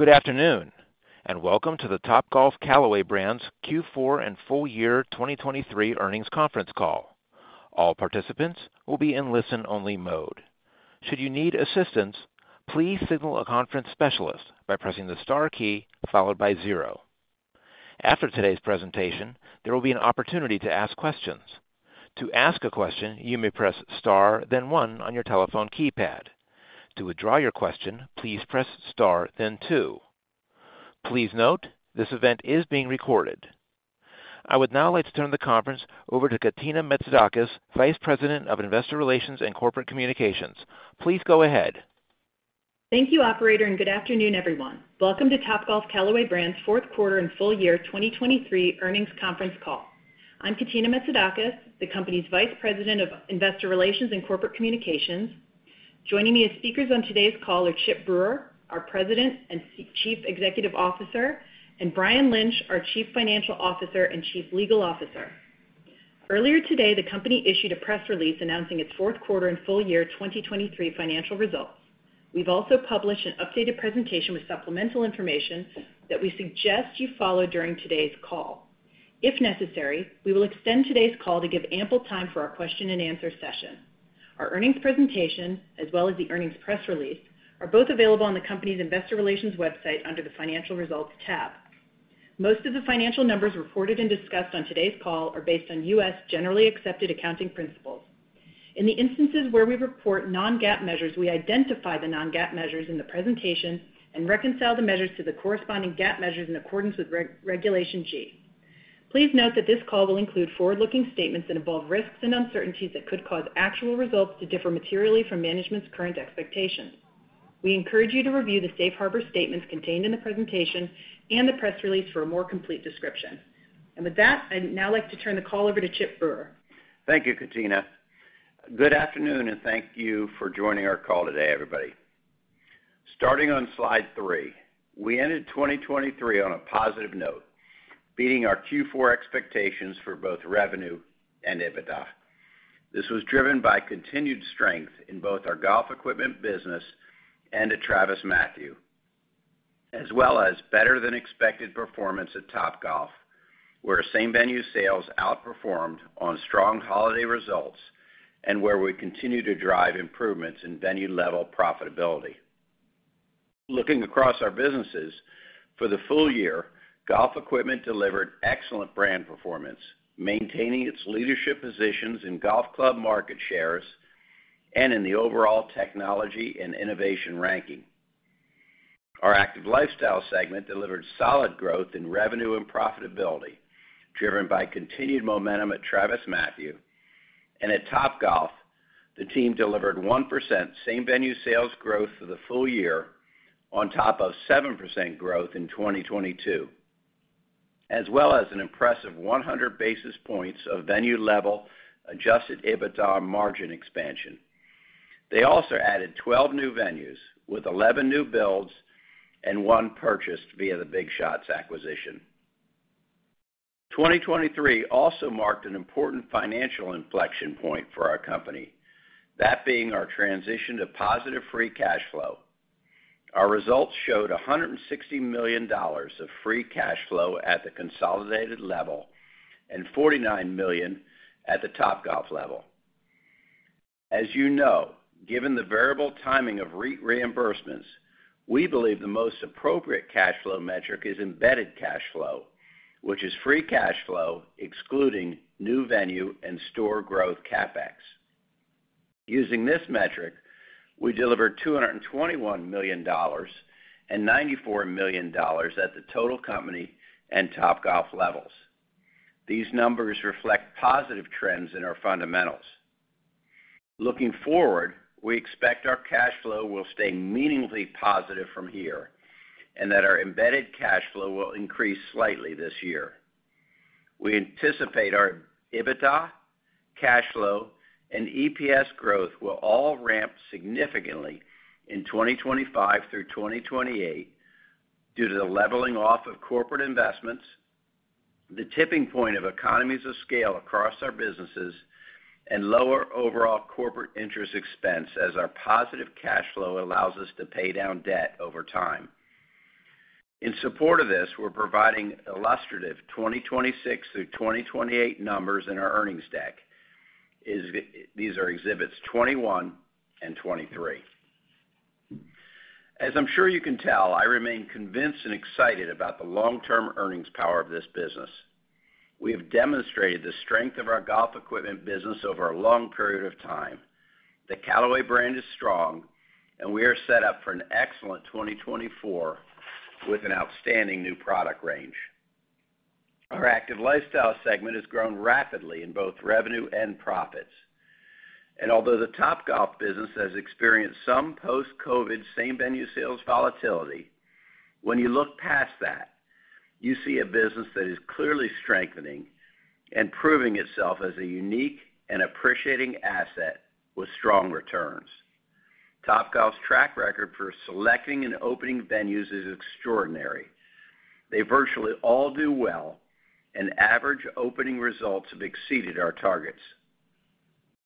Good afternoon, and welcome to the Topgolf Callaway Brands Q4 and full year 2023 earnings conference call. All participants will be in listen-only mode. Should you need assistance, please signal a conference specialist by pressing the star key followed by zero. After today's presentation, there will be an opportunity to ask questions. To ask a question, you may press star, then one on your telephone keypad. To withdraw your question, please press star, then two. Please note, this event is being recorded. I would now like to turn the conference over to Katina Metzidakis, Vice President of Investor Relations and Corporate Communications. Please go ahead. Thank you, operator, and good afternoon, everyone. Welcome to Topgolf Callaway Brands' fourth quarter and full year 2023 earnings conference call. I'm Katina Metzidakis, the company's Vice President of Investor Relations and Corporate Communications. Joining me as speakers on today's call are Chip Brewer, our President and Chief Executive Officer, and Brian Lynch, our Chief Financial Officer and Chief Legal Officer. Earlier today, the company issued a press release announcing its fourth quarter and full year 2023 financial results. We've also published an updated presentation with supplemental information that we suggest you follow during today's call. If necessary, we will extend today's call to give ample time for our question-and-answer session. Our earnings presentation, as well as the earnings press release, are both available on the company's investor relations website under the Financial Results tab. Most of the financial numbers reported and discussed on today's call are based on U.S. generally accepted accounting principles. In the instances where we report non-GAAP measures, we identify the non-GAAP measures in the presentation and reconcile the measures to the corresponding GAAP measures in accordance with Regulation G. Please note that this call will include forward-looking statements that involve risks and uncertainties that could cause actual results to differ materially from management's current expectations. We encourage you to review the safe harbor statements contained in the presentation and the press release for a more complete description. And with that, I'd now like to turn the call over to Chip Brewer. Thank you, Katina. Good afternoon, and thank you for joining our call today, everybody. Starting on slide three, we ended 2023 on a positive note, beating our Q4 expectations for both revenue and EBITDA. This was driven by continued strength in both our golf equipment business and at TravisMathew, as well as better-than-expected performance at Topgolf, where same-venue sales outperformed on strong holiday results and where we continue to drive improvements in venue-level profitability. Looking across our businesses, for the full year, golf equipment delivered excellent brand performance, maintaining its leadership positions in golf club market shares and in the overall technology and innovation ranking. Our active lifestyle segment delivered solid growth in revenue and profitability, driven by continued momentum at TravisMathew, and at Topgolf, the team delivered 1% same-venue sales growth for the full year on top of 7% growth in 2022, as well as an impressive 100 basis points of venue-level Adjusted EBITDA margin expansion. They also added 12 new venues, with 11 new builds and one purchased via the BigShots acquisition. 2023 also marked an important financial inflection point for our company, that being our transition to positive free cash flow. Our results showed $160 million of free cash flow at the consolidated level and $49 million at the Topgolf level. As you know, given the variable timing of REIT reimbursements, we believe the most appropriate cash flow metric is embedded cash flow, which is free cash flow, excluding new venue and store growth CapEx. Using this metric, we delivered $221 million and $94 million at the total company and Topgolf levels. These numbers reflect positive trends in our fundamentals. Looking forward, we expect our cash flow will stay meaningfully positive from here and that our embedded cash flow will increase slightly this year. We anticipate our EBITDA, cash flow, and EPS growth will all ramp significantly in 2025 through 2028 due to the leveling off of corporate investments, the tipping point of economies of scale across our businesses, and lower overall corporate interest expense as our positive cash flow allows us to pay down debt over time. In support of this, we're providing illustrative 2026 through 2028 numbers in our earnings deck. These are Exhibits 21 and 23. As I'm sure you can tell, I remain convinced and excited about the long-term earnings power of this business. We have demonstrated the strength of our golf equipment business over a long period of time. The Callaway brand is strong, and we are set up for an excellent 2024 with an outstanding new product range. Our active lifestyle segment has grown rapidly in both revenue and profits, and although the Topgolf business has experienced some post-COVID same-venue sales volatility, when you look past that, you see a business that is clearly strengthening and proving itself as a unique and appreciating asset with strong returns. Topgolf's track record for selecting and opening venues is extraordinary. They virtually all do well, and average opening results have exceeded our targets.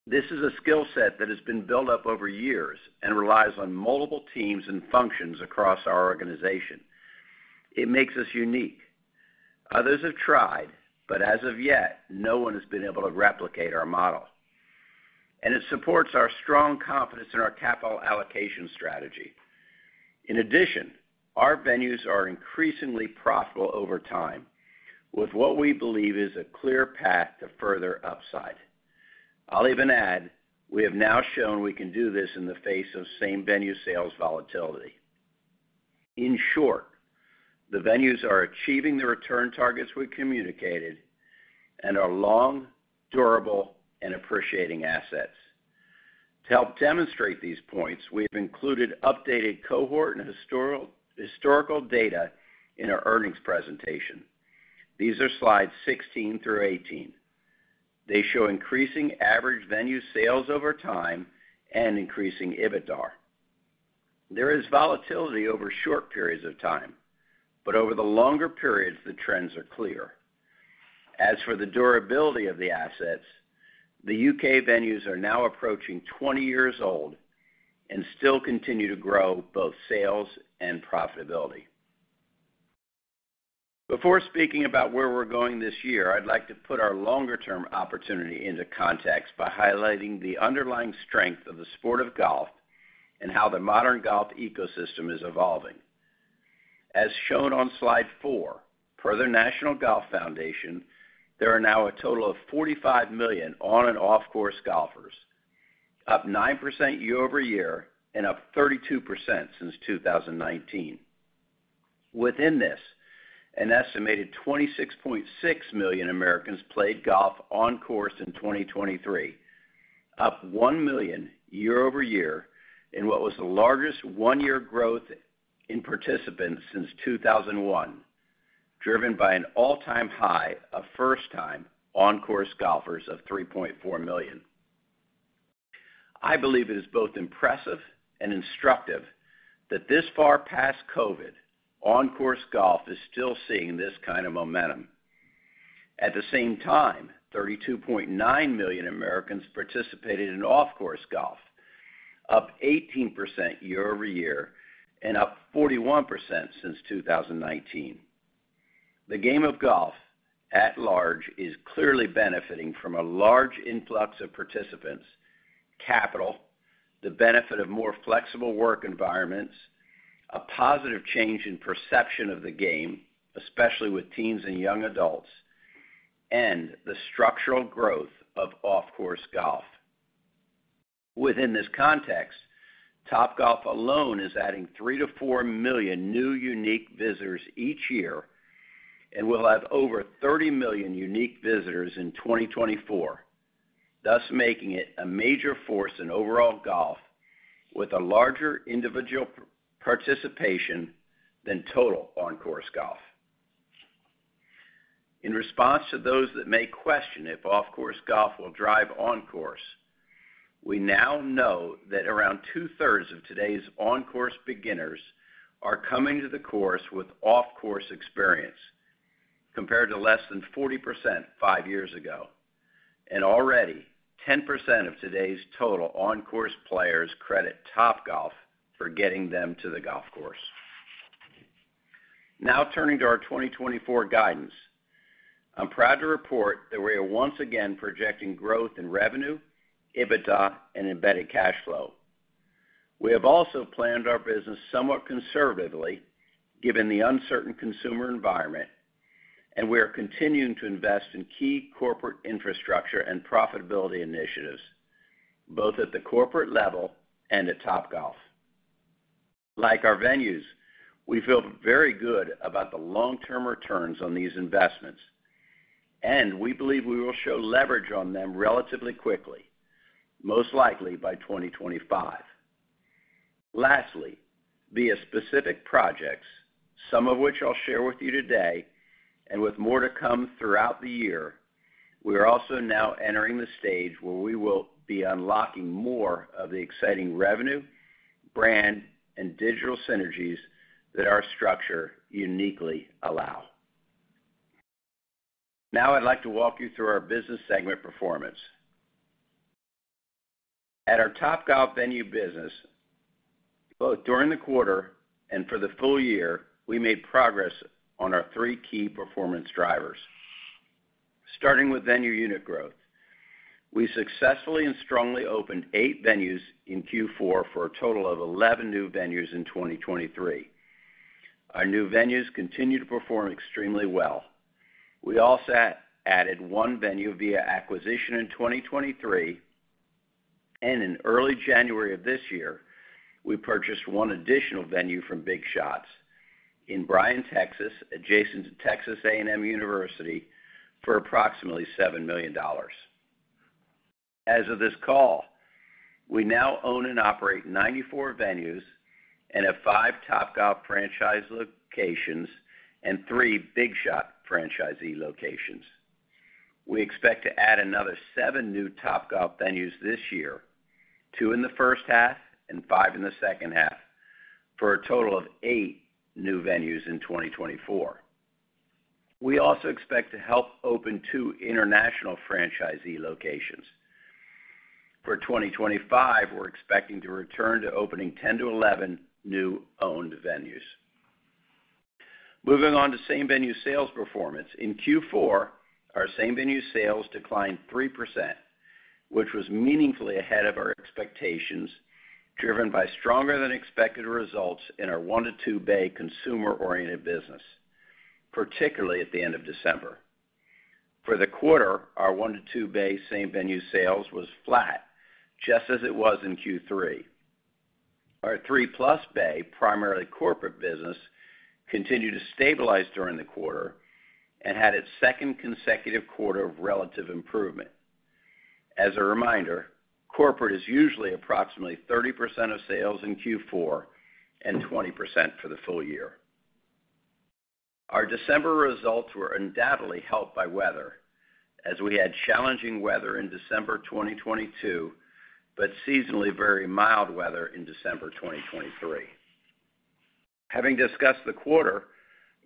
This is a skill set that has been built up over years and relies on multiple teams and functions across our organization. It makes us unique. Others have tried, but as of yet, no one has been able to replicate our model, and it supports our strong confidence in our capital allocation strategy. In addition, our venues are increasingly profitable over time, with what we believe is a clear path to further upside. I'll even add, we have now shown we can do this in the face of same-venue sales volatility. In short, the venues are achieving the return targets we communicated and are long, durable, and appreciating assets. To help demonstrate these points, we have included updated cohort and historical data in our earnings presentation. These are slides 16 through 18. They show increasing average venue sales over time and increasing EBITDA. There is volatility over short periods of time, but over the longer periods, the trends are clear. As for the durability of the assets, the U.K. venues are now approaching 20 years old and still continue to grow both sales and profitability. Before speaking about where we're going this year, I'd like to put our longer-term opportunity into context by highlighting the underlying strength of the sport of golf and how the modern golf ecosystem is evolving. As shown on slide four, per the National Golf Foundation, there are now a total of 45 million on- and off-course golfers, up 9% year-over-year and up 32% since 2019. Within this, an estimated 26.6 million Americans played golf on course in 2023, up 1 million year-over-year, in what was the largest one-year growth in participants since 2001, driven by an all-time high of first-time on-course golfers of 3.4 million. I believe it is both impressive and instructive that this far past COVID, on-course golf is still seeing this kind of momentum. At the same time, 32.9 million Americans participated in off-course golf, up 18% year-over-year and up 41% since 2019. The game of golf at large is clearly benefiting from a large influx of participants, capital, the benefit of more flexible work environments, a positive change in perception of the game, especially with teens and young adults, and the structural growth of off-course golf. Within this context, Topgolf alone is adding 3-4 million new unique visitors each year and will have over 30 million unique visitors in 2024, thus making it a major force in overall golf, with a larger individual participation than total on-course golf. In response to those that may question if off-course golf will drive on-course, we now know that around two-thirds of today's on-course beginners are coming to the course with off-course experience, compared to less than 40% five years ago. And already, 10% of today's total on-course players credit Topgolf for getting them to the golf course. Now, turning to our 2024 guidance. I'm proud to report that we are once again projecting growth in revenue, EBITDA, and Embedded Cash Flow. We have also planned our business somewhat conservatively, given the uncertain consumer environment, and we are continuing to invest in key corporate infrastructure and profitability initiatives, both at the corporate level and at Topgolf. Like our venues, we feel very good about the long-term returns on these investments, and we believe we will show leverage on them relatively quickly, most likely by 2025. Lastly, via specific projects, some of which I'll share with you today and with more to come throughout the year, we are also now entering the stage where we will be unlocking more of the exciting revenue, brand, and digital synergies that our structure uniquely allow. Now, I'd like to walk you through our business segment performance. At our Topgolf venue business, both during the quarter and for the full year, we made progress on our three key performance drivers. Starting with venue unit growth, we successfully and strongly opened 8 venues in Q4 for a total of 11 new venues in 2023. Our new venues continue to perform extremely well. We also added 1 venue via acquisition in 2023, and in early January of this year, we purchased 1 additional venue from BigShots in Bryan, Texas, adjacent to Texas A&M University, for approximately $7 million. As of this call, we now own and operate 94 venues and have 5 Topgolf franchise locations and 3 BigShots franchisee locations. We expect to add another 7 new Topgolf venues this year, 2 in the first half and 5 in the second half, for a total of 8 new venues in 2024. We also expect to help open 2 international franchisee locations. For 2025, we're expecting to return to opening 10-11 new owned venues. Moving on to same-venue sales performance. In Q4, our same-venue sales declined 3%, which was meaningfully ahead of our expectations, driven by stronger-than-expected results in our one-to-two-bay consumer-oriented business, particularly at the end of December. For the quarter, our one-to-two-bay same-venue sales was flat, just as it was in Q3. Our three-plus bay, primarily corporate business, continued to stabilize during the quarter and had its second consecutive quarter of relative improvement. As a reminder, corporate is usually approximately 30% of sales in Q4 and 20% for the full year. Our December results were undoubtedly helped by weather, as we had challenging weather in December 2022, but seasonally very mild weather in December 2023. Having discussed the quarter,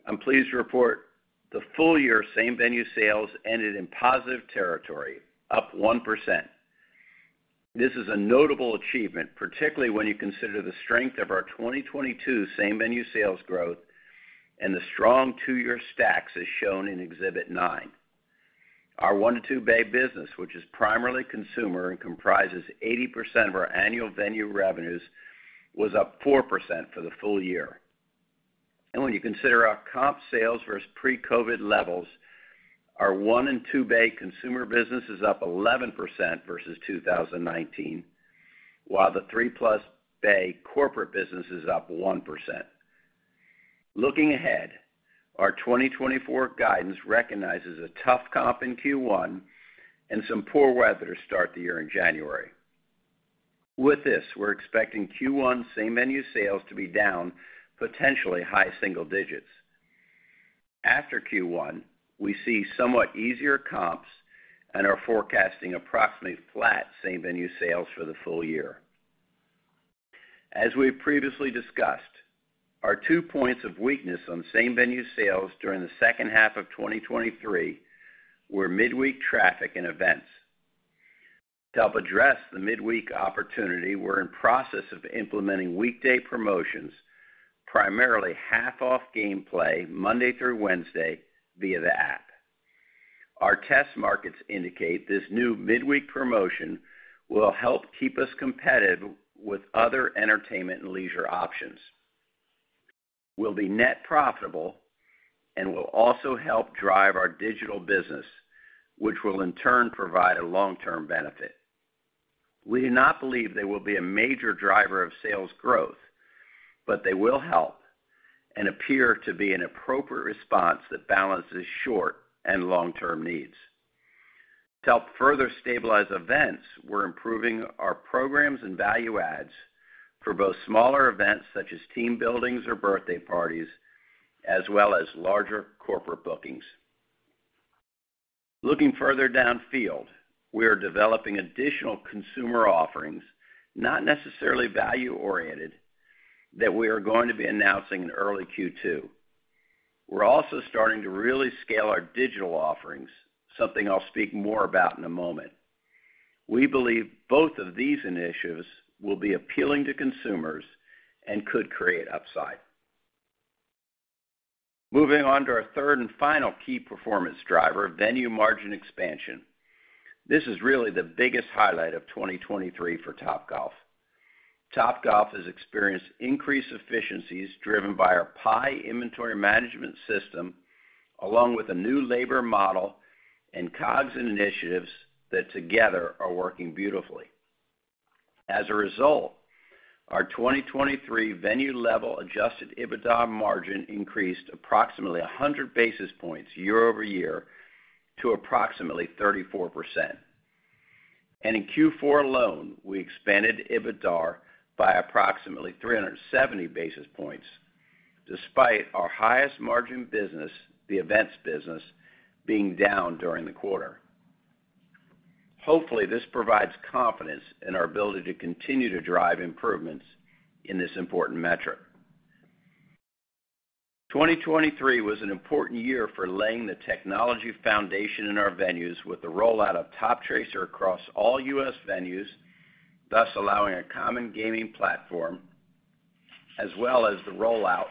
I'm pleased to report the full year same-venue sales ended in positive territory, up 1%. This is a notable achievement, particularly when you consider the strength of our 2022 same-venue sales growth and the strong two-year stacks, as shown in Exhibit 9. Our one-to-two-bay business, which is primarily consumer and comprises 80% of our annual venue revenues, was up 4% for the full year. When you consider our comp sales versus pre-COVID levels, our one- and two-bay consumer business is up 11% versus 2019, while the three-plus bay corporate business is up 1%. Looking ahead, our 2024 guidance recognizes a tough comp in Q1 and some poor weather to start the year in January. With this, we're expecting Q1 same-venue sales to be down potentially high single digits. After Q1, we see somewhat easier comps and are forecasting approximately flat same-venue sales for the full year. As we've previously discussed, our two points of weakness on Same-Venue Sales during the second half of 2023 were midweek traffic and events. To help address the midweek opportunity, we're in process of implementing weekday promotions, primarily half-off gameplay, Monday through Wednesday, via the app. Our test markets indicate this new midweek promotion will help keep us competitive with other entertainment and leisure options. We'll be net profitable and will also help drive our digital business, which will, in turn, provide a long-term benefit. We do not believe they will be a major driver of sales growth, but they will help and appear to be an appropriate response that balances short- and long-term needs. To help further stabilize events, we're improving our programs and value adds for both smaller events, such as team buildings or birthday parties, as well as larger corporate bookings. Looking further downfield, we are developing additional consumer offerings, not necessarily value-oriented, that we are going to be announcing in early Q2. We're also starting to really scale our digital offerings, something I'll speak more about in a moment. We believe both of these initiatives will be appealing to consumers and could create upside. Moving on to our third and final key performance driver, venue margin expansion. This is really the biggest highlight of 2023 for Topgolf. Topgolf has experienced increased efficiencies driven by our PIE inventory management system, along with a new labor model and COGS initiatives that together are working beautifully. As a result, our 2023 venue-level adjusted EBITDA margin increased approximately 100 basis points year-over-year to approximately 34%. In Q4 alone, we expanded EBITDA by approximately 370 basis points, despite our highest margin business, the events business, being down during the quarter. Hopefully, this provides confidence in our ability to continue to drive improvements in this important metric. 2023 was an important year for laying the technology foundation in our venues with the rollout of Toptracer across all US venues, thus allowing a common gaming platform, as well as the rollout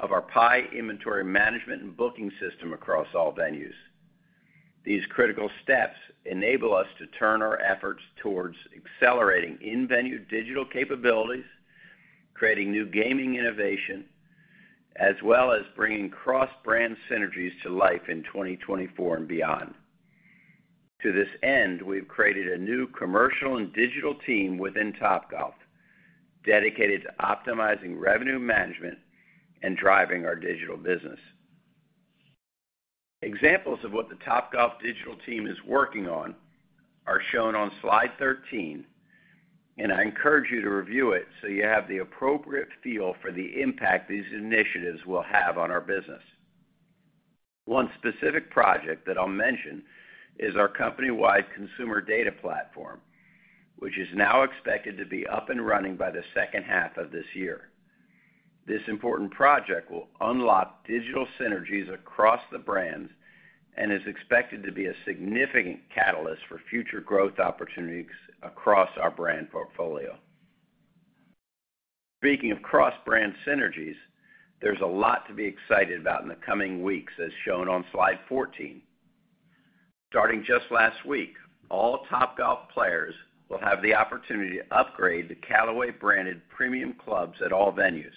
of our PIE inventory management and booking system across all venues. These critical steps enable us to turn our efforts towards accelerating in-venue digital capabilities, creating new gaming innovation, as well as bringing cross-brand synergies to life in 2024 and beyond. To this end, we've created a new commercial and digital team within Topgolf, dedicated to optimizing revenue management and driving our digital business. Examples of what the Topgolf digital team is working on are shown on slide 13, and I encourage you to review it so you have the appropriate feel for the impact these initiatives will have on our business. One specific project that I'll mention is our company-wide Consumer Data Platform... which is now expected to be up and running by the second half of this year. This important project will unlock digital synergies across the brands and is expected to be a significant catalyst for future growth opportunities across our brand portfolio. Speaking of cross-brand synergies, there's a lot to be excited about in the coming weeks, as shown on slide 14. Starting just last week, all Topgolf players will have the opportunity to upgrade to Callaway-branded premium clubs at all venues.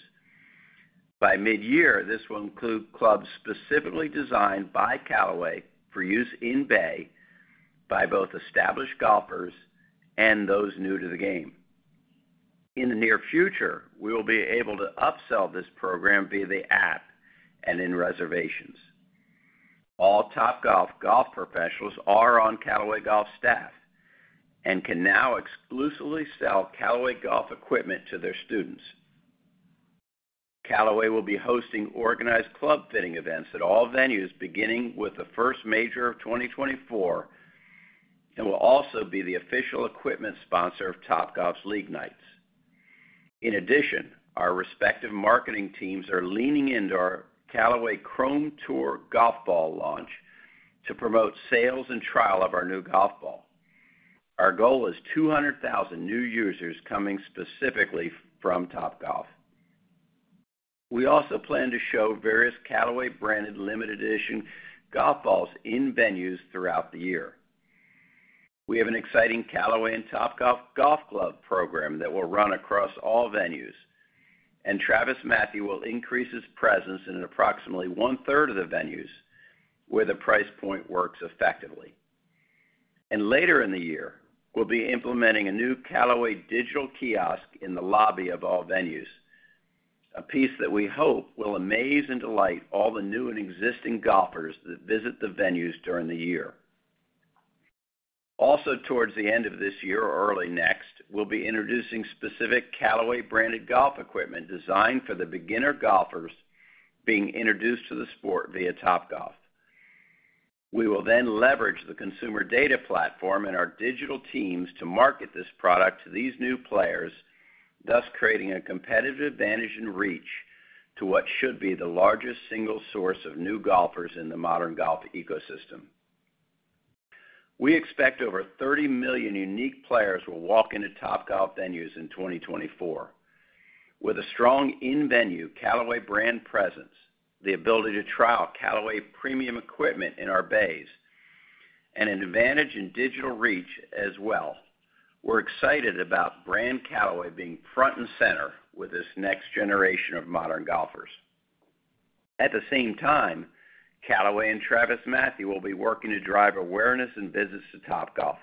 By mid-year, this will include clubs specifically designed by Callaway for use in bay, by both established golfers and those new to the game. In the near future, we will be able to upsell this program via the app and in reservations. All Topgolf golf professionals are on Callaway Golf staff and can now exclusively sell Callaway Golf equipment to their students. Callaway will be hosting organized club fitting events at all venues, beginning with the first major of 2024, and will also be the official equipment sponsor of Topgolf's League nights. In addition, our respective marketing teams are leaning into our Callaway Chrome Tour golf ball launch to promote sales and trial of our new golf ball. Our goal is 200,000 new users coming specifically from Topgolf. We also plan to show various Callaway-branded limited edition golf balls in venues throughout the year. We have an exciting Callaway and Topgolf golf club program that will run across all venues, and TravisMathew will increase his presence in approximately one-third of the venues where the price point works effectively. Later in the year, we'll be implementing a new Callaway digital kiosk in the lobby of all venues, a piece that we hope will amaze and delight all the new and existing golfers that visit the venues during the year. Also, towards the end of this year or early next, we'll be introducing specific Callaway-branded golf equipment designed for the beginner golfers being introduced to the sport via Topgolf. We will then leverage the Consumer Data Platform and our digital teams to market this product to these new players, thus creating a competitive advantage and reach to what should be the largest single source of new golfers in the modern golf ecosystem. We expect over 30 million unique players will walk into Topgolf venues in 2024. With a strong in-venue Callaway brand presence, the ability to trial Callaway premium equipment in our bays, and an advantage in digital reach as well, we're excited about brand Callaway being front and center with this next generation of modern golfers. At the same time, Callaway and TravisMathew will be working to drive awareness and visits to Topgolf.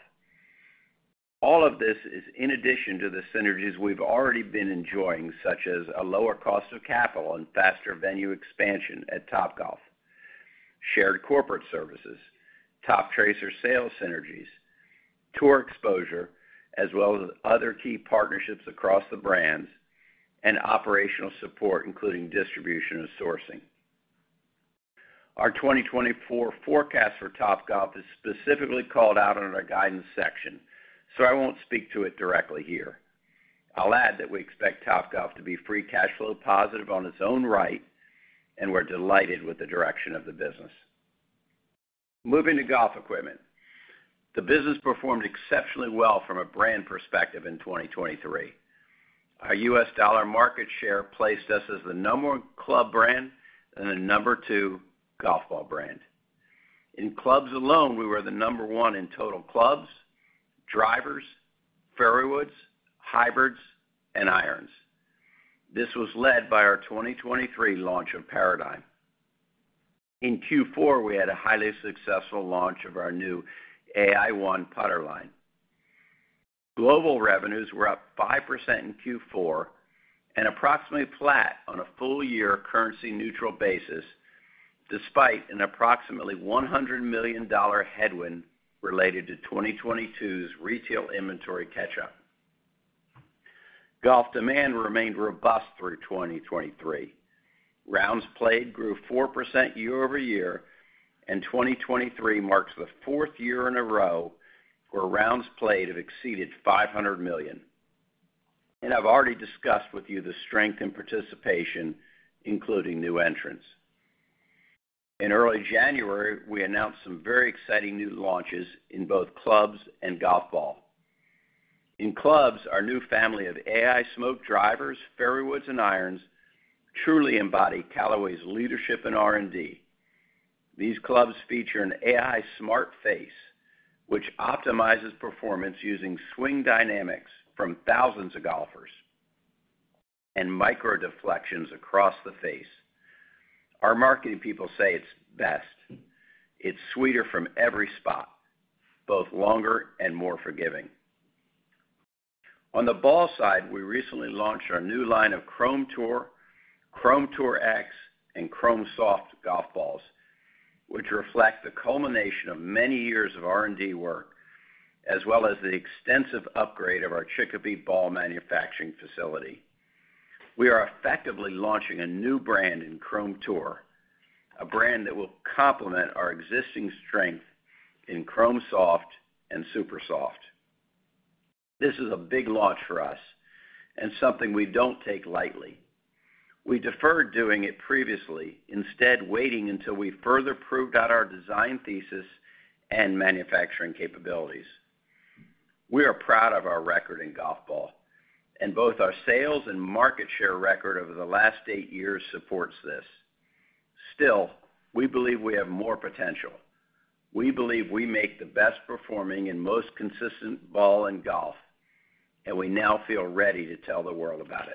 All of this is in addition to the synergies we've already been enjoying, such as a lower cost of capital and faster venue expansion at Topgolf, shared corporate services, Toptracer sales synergies, tour exposure, as well as other key partnerships across the brands and operational support, including distribution and sourcing. Our 2024 forecast for Topgolf is specifically called out in our guidance section, so I won't speak to it directly here. I'll add that we expect Topgolf to be free cash flow positive on its own right, and we're delighted with the direction of the business. Moving to golf equipment. The business performed exceptionally well from a brand perspective in 2023. Our U.S. dollar market share placed us as the number one club brand and the number two golf ball brand. In clubs alone, we were the number one in total clubs, drivers, fairways, hybrids, and irons. This was led by our 2023 launch of Paradym. In Q4, we had a highly successful launch of our new Ai-ONE putter line. Global revenues were up 5% in Q4 and approximately flat on a full-year currency neutral basis, despite an approximately $100 million headwind related to 2022's retail inventory catch-up. Golf demand remained robust through 2023. Rounds played grew 4% year-over-year, and 2023 marks the fourth year in a row where rounds played have exceeded 500 million. And I've already discussed with you the strength and participation, including new entrants. In early January, we announced some very exciting new launches in both clubs and golf ball. In clubs, our new family of Ai Smoke drivers, fairways, and irons truly embody Callaway's leadership in R&D. These clubs feature an Ai Smart Face, which optimizes performance using swing dynamics from thousands of golfers and micro deflections across the face. Our marketing people say it's best. It's sweeter from every spot, both longer and more forgiving. On the ball side, we recently launched our new line of Chrome Tour, Chrome Tour X, and Chrome Soft golf balls, which reflect the culmination of many years of R&D work, as well as the extensive upgrade of our Chicopee ball manufacturing facility. We are effectively launching a new brand in Chrome Tour, a brand that will complement our existing strength in Chrome Soft and Supersoft. This is a big launch for us and something we don't take lightly. We deferred doing it previously, instead waiting until we further proved out our design thesis and manufacturing capabilities. We are proud of our record in golf ball, and both our sales and market share record over the last eight years supports this. Still, we believe we have more potential. We believe we make the best performing and most consistent ball in golf, and we now feel ready to tell the world about it.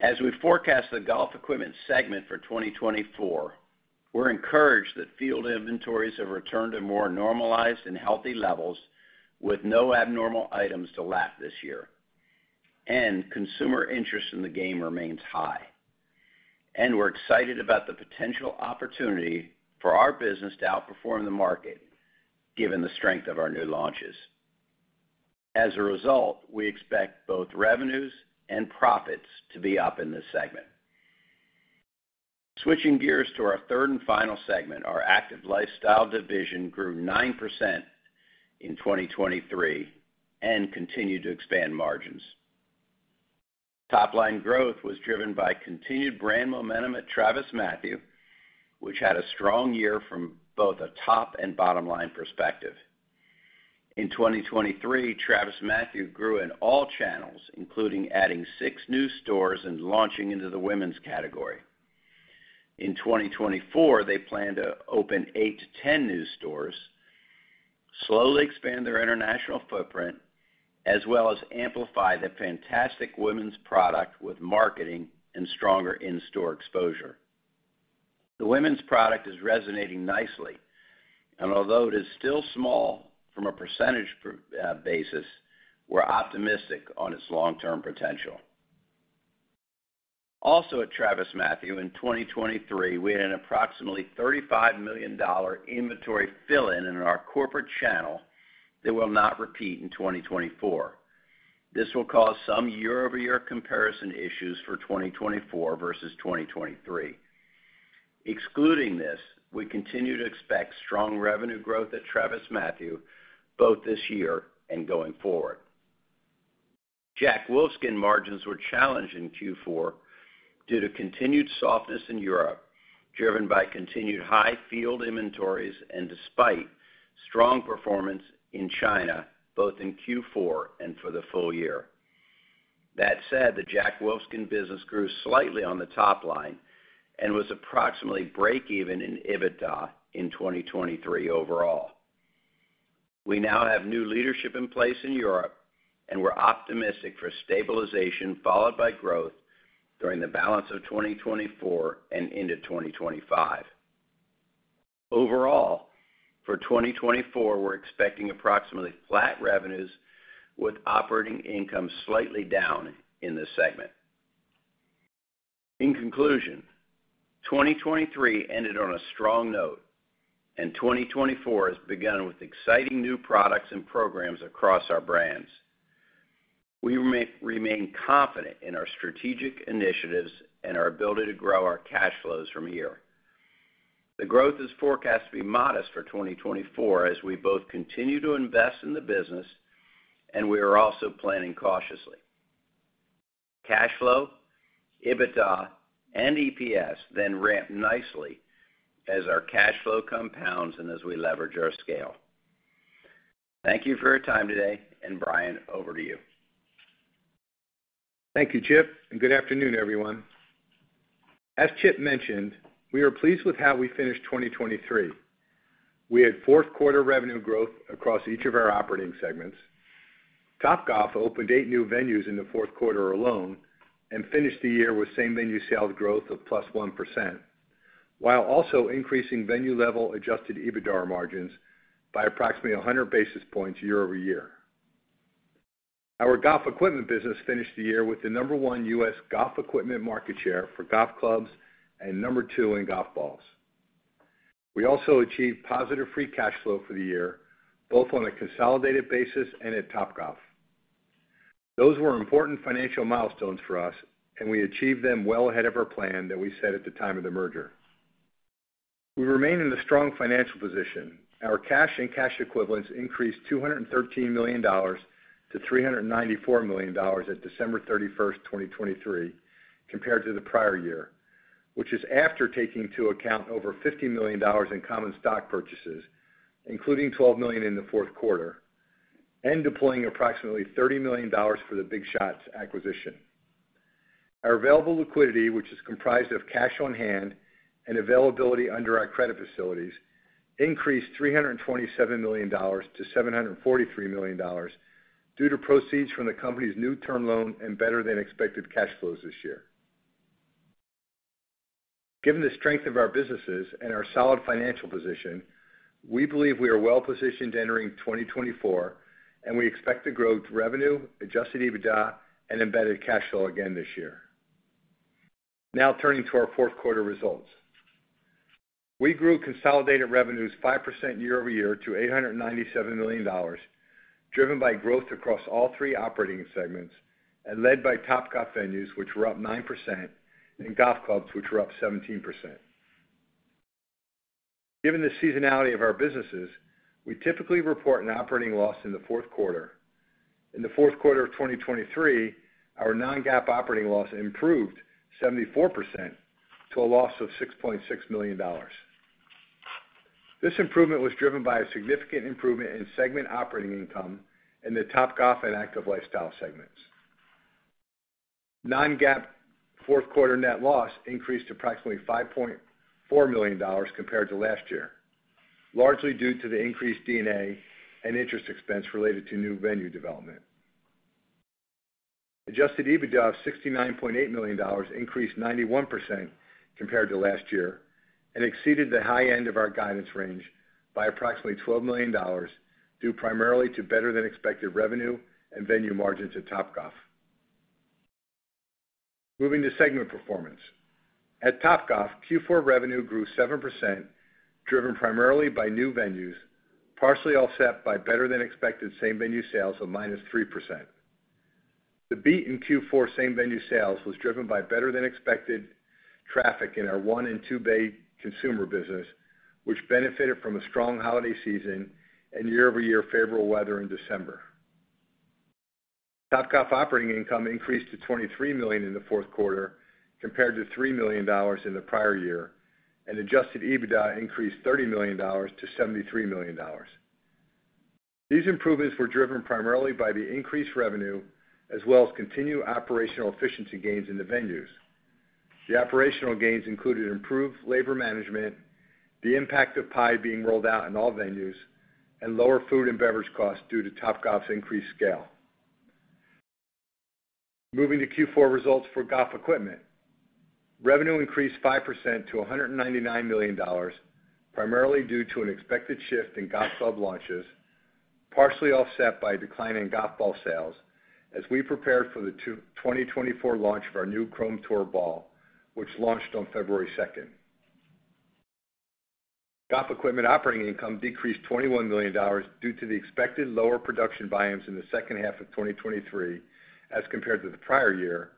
As we forecast the golf equipment segment for 2024, we're encouraged that field inventories have returned to more normalized and healthy levels, with no abnormal items to lap this year, and consumer interest in the game remains high. We're excited about the potential opportunity for our business to outperform the market, given the strength of our new launches. As a result, we expect both revenues and profits to be up in this segment. Switching gears to our third and final segment, our active lifestyle division grew 9% in 2023 and continued to expand margins. Top-line growth was driven by continued brand momentum at TravisMathew, which had a strong year from both a top and bottom-line perspective. In 2023, TravisMathew grew in all channels, including adding 6 new stores and launching into the women's category. In 2024, they plan to open 8-10 new stores, slowly expand their international footprint, as well as amplify the fantastic women's product with marketing and stronger in-store exposure. The women's product is resonating nicely, and although it is still small from a percentage basis, we're optimistic on its long-term potential. Also, at TravisMathew, in 2023, we had an approximately $35 million inventory fill-in in our corporate channel that will not repeat in 2024. This will cause some year-over-year comparison issues for 2024 versus 2023. Excluding this, we continue to expect strong revenue growth at TravisMathew both this year and going forward. Jack Wolfskin margins were challenged in Q4 due to continued softness in Europe, driven by continued high field inventories and despite strong performance in China, both in Q4 and for the full year. That said, the Jack Wolfskin business grew slightly on the top line and was approximately break even in EBITDA in 2023 overall. We now have new leadership in place in Europe, and we're optimistic for stabilization, followed by growth during the balance of 2024 and into 2025. Overall, for 2024, we're expecting approximately flat revenues with operating income slightly down in this segment. In conclusion, 2023 ended on a strong note, and 2024 has begun with exciting new products and programs across our brands. We remain confident in our strategic initiatives and our ability to grow our cash flows from here. The growth is forecast to be modest for 2024, as we both continue to invest in the business, and we are also planning cautiously. Cash flow, EBITDA, and EPS then ramp nicely as our cash flow compounds and as we leverage our scale. Thank you for your time today. And Brian, over to you. Thank you, Chip, and good afternoon, everyone. As Chip mentioned, we are pleased with how we finished 2023. We had fourth quarter revenue growth across each of our operating segments. Topgolf opened 8 new venues in the fourth quarter alone and finished the year with same-venue sales growth of +1%, while also increasing venue-level adjusted EBITDA margins by approximately 100 basis points year-over-year. Our golf equipment business finished the year with the number one U.S. golf equipment market share for golf clubs and number two in golf balls. We also achieved positive free cash flow for the year, both on a consolidated basis and at Topgolf. Those were important financial milestones for us, and we achieved them well ahead of our plan that we set at the time of the merger. We remain in a strong financial position. Our cash and cash equivalents increased $213 million-$394 million at December 31st, 2023, compared to the prior year, which is after taking into account over $50 million in common stock purchases, including $12 million in the fourth quarter, and deploying approximately $30 million for the BigShots acquisition. Our available liquidity, which is comprised of cash on hand and availability under our credit facilities, increased $327 million-$743 million due to proceeds from the company's new term loan and better-than-expected cash flows this year. Given the strength of our businesses and our solid financial position, we believe we are well positioned entering 2024, and we expect to grow revenue, Adjusted EBITDA, and Embedded Cash Flow again this year.... Now turning to our fourth quarter results. We grew consolidated revenues 5% year-over-year to $897 million, driven by growth across all three operating segments and led by Topgolf venues, which were up 9%, and golf clubs, which were up 17%. Given the seasonality of our businesses, we typically report an operating loss in the fourth quarter. In the fourth quarter of 2023, our non-GAAP operating loss improved 74% to a loss of $6.6 million. This improvement was driven by a significant improvement in segment operating income in the Topgolf and Active Lifestyle segments. Non-GAAP fourth quarter net loss increased to approximately $5.4 million compared to last year, largely due to the increased D&A and interest expense related to new venue development. Adjusted EBITDA of $69.8 million increased 91% compared to last year and exceeded the high end of our guidance range by approximately $12 million, due primarily to better-than-expected revenue and venue margins at Topgolf. Moving to segment performance. At Topgolf, Q4 revenue grew 7%, driven primarily by new venues, partially offset by better-than-expected same-venue sales of -3%. The beat in Q4 same-venue sales was driven by better-than-expected traffic in our one and two bay consumer business, which benefited from a strong holiday season and year-over-year favorable weather in December. Topgolf operating income increased to $23 million in the fourth quarter compared to $3 million in the prior year, and adjusted EBITDA increased $30 million-$73 million. These improvements were driven primarily by the increased revenue, as well as continued operational efficiency gains in the venues. The operational gains included improved labor management, the impact of PIE being rolled out in all venues, and lower food and beverage costs due to Topgolf's increased scale. Moving to Q4 results for golf equipment. Revenue increased 5%-$199 million, primarily due to an expected shift in golf club launches, partially offset by a decline in golf ball sales as we prepared for the 2024 launch of our new Chrome Tour ball, which launched on February 2nd. Golf equipment operating income decreased $21 million due to the expected lower production volumes in the second half of 2023 as compared to the prior year,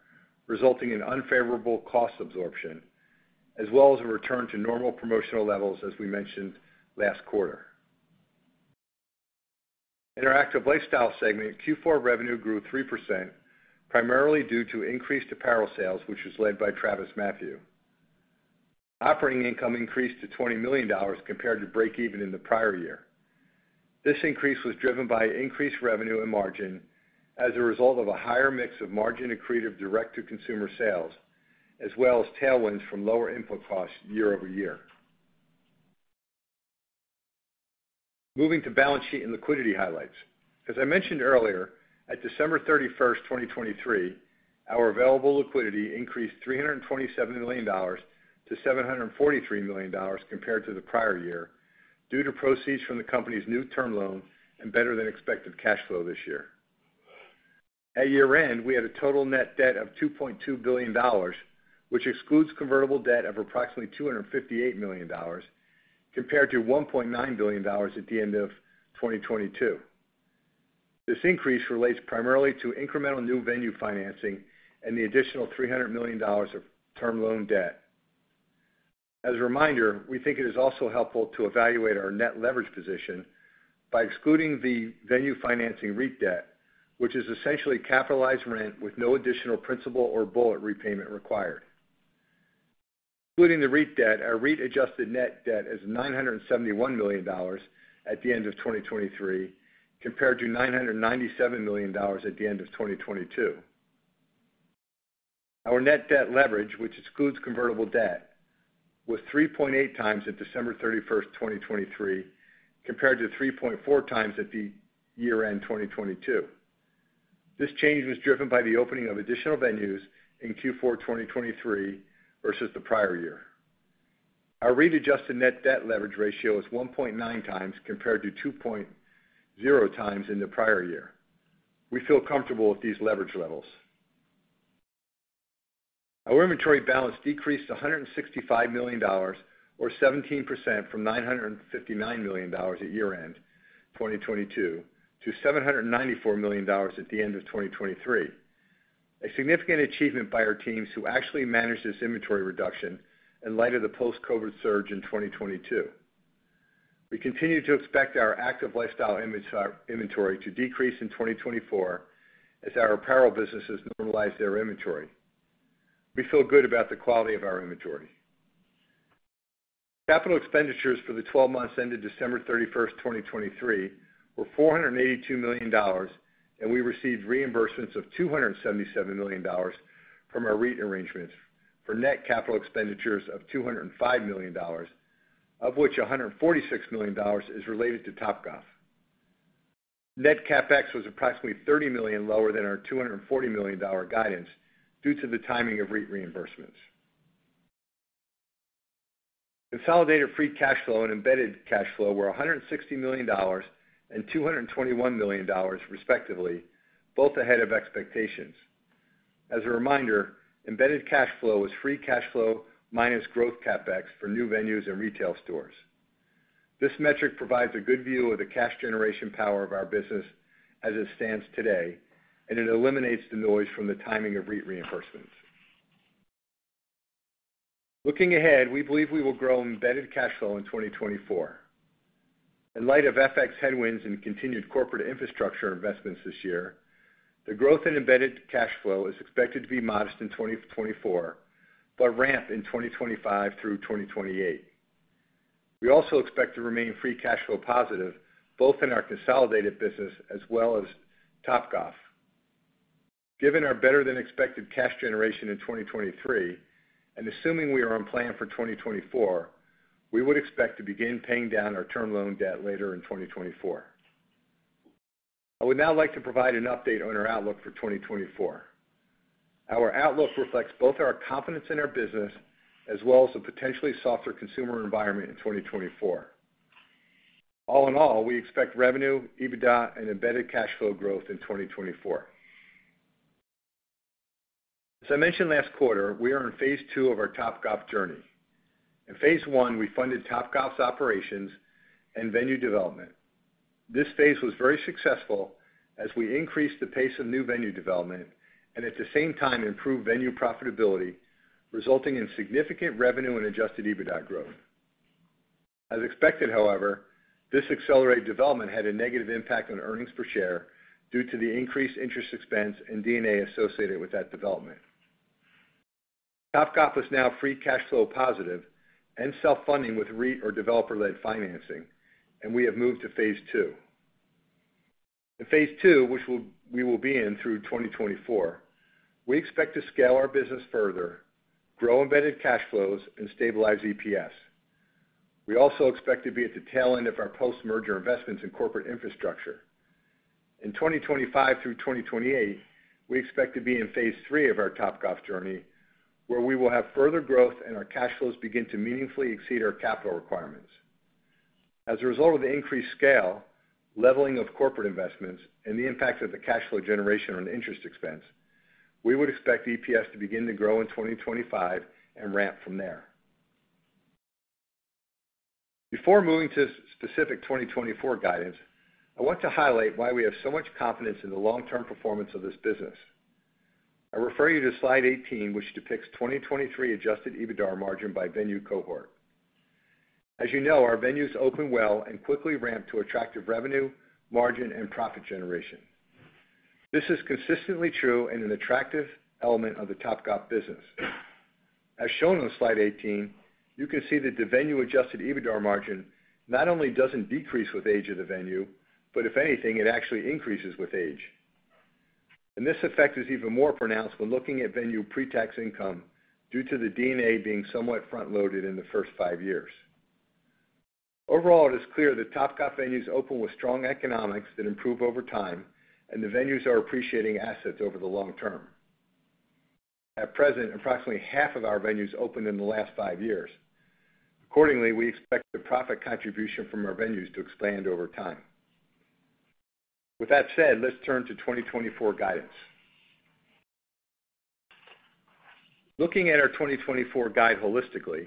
resulting in unfavorable cost absorption, as well as a return to normal promotional levels, as we mentioned last quarter. In our Active Lifestyle segment, Q4 revenue grew 3%, primarily due to increased apparel sales, which was led by TravisMathew. Operating income increased to $20 million compared to breakeven in the prior year. This increase was driven by increased revenue and margin as a result of a higher mix of margin-accretive direct-to-consumer sales, as well as tailwinds from lower input costs year over year. Moving to balance sheet and liquidity highlights. As I mentioned earlier, at December 31st, 2023, our available liquidity increased $327 million-$743 million compared to the prior year, due to proceeds from the company's new term loan and better-than-expected cash flow this year. At year-end, we had a total net debt of $2.2 billion, which excludes convertible debt of approximately $258 million, compared-$1.9 billion at the end of 2022. This increase relates primarily to incremental new venue financing and the additional $300 million of term loan debt. As a reminder, we think it is also helpful to evaluate our net leverage position by excluding the venue financing REIT debt, which is essentially capitalized rent with no additional principal or bullet repayment required. Excluding the REIT debt, our REIT adjusted net debt is $971 million at the end of 2023, compared to $997 million at the end of 2022. Our net debt leverage, which excludes convertible debt, was 3.8 times at December 31st, 2023, compared to 3.4 times at the year-end 2022. This change was driven by the opening of additional venues in Q4 2023 versus the prior year. Our REIT Adjusted Net Debt leverage ratio is 1.9 times, compared to 2.0 times in the prior year. We feel comfortable with these leverage levels. Our inventory balance decreased $165 million or 17% from $959 million at year-end 2022-$794 million at the end of 2023. A significant achievement by our teams, who actually managed this inventory reduction in light of the post-COVID surge in 2022. We continue to expect our active lifestyle inventory to decrease in 2024 as our apparel businesses normalize their inventory. We feel good about the quality of our inventory. Capital expenditures for the twelve months ended December 31st, 2023, were $482 million, and we received reimbursements of $277 million from our REIT arrangements for net capital expenditures of $205 million, of which $146 million is related to Topgolf. Net CapEx was approximately $30 million lower than our $240 million guidance due to the timing of REIT reimbursements.... Consolidated free cash flow and embedded cash flow were $160 million and $221 million respectively, both ahead of expectations. As a reminder, embedded cash flow is free cash flow minus growth CapEx for new venues and retail stores. This metric provides a good view of the cash generation power of our business as it stands today, and it eliminates the noise from the timing of REIT reimbursements. Looking ahead, we believe we will grow embedded cash flow in 2024. In light of FX headwinds and continued corporate infrastructure investments this year, the growth in embedded cash flow is expected to be modest in 2024, but ramp in 2025 through 2028. We also expect to remain free cash flow positive, both in our consolidated business as well as Topgolf. Given our better-than-expected cash generation in 2023, and assuming we are on plan for 2024, we would expect to begin paying down our term loan debt later in 2024. I would now like to provide an update on our outlook for 2024. Our outlook reflects both our confidence in our business, as well as a potentially softer consumer environment in 2024. All in all, we expect revenue, EBITDA, and embedded cash flow growth in 2024. As I mentioned last quarter, we are in phase II of our Topgolf journey. In phase I, we funded Topgolf's operations and venue development. This phase was very successful as we increased the pace of new venue development, and at the same time, improved venue profitability, resulting in significant revenue and adjusted EBITDA growth. As expected, however, this accelerated development had a negative impact on earnings per share due to the increased interest expense and D&A associated with that development. Topgolf is now free cash flow positive and self-funding with REIT or developer-led financing, and we have moved to phase II. In phase II, which we will be in through 2024, we expect to scale our business further, grow embedded cash flows, and stabilize EPS. We also expect to be at the tail end of our post-merger investments in corporate infrastructure. In 2025 through 2028, we expect to be in phase III of our Topgolf journey, where we will have further growth and our cash flows begin to meaningfully exceed our capital requirements. As a result of the increased scale, leveling of corporate investments, and the impact of the cash flow generation on interest expense, we would expect EPS to begin to grow in 2025 and ramp from there. Before moving to specific 2024 guidance, I want to highlight why we have so much confidence in the long-term performance of this business. I refer you to slide 18, which depicts 2023 adjusted EBITDAR margin by venue cohort. As you know, our venues open well and quickly ramp to attractive revenue, margin, and profit generation. This is consistently true and an attractive element of the Topgolf business. As shown on slide 18, you can see that the venue-adjusted EBITDAR margin not only doesn't decrease with age of the venue, but if anything, it actually increases with age. This effect is even more pronounced when looking at venue pretax income due to the D&A being somewhat front-loaded in the first five years. Overall, it is clear that Topgolf venues open with strong economics that improve over time, and the venues are appreciating assets over the long term. At present, approximately half of our venues opened in the last 5 years. Accordingly, we expect the profit contribution from our venues to expand over time. With that said, let's turn to 2024 guidance. Looking at our 2024 guide holistically,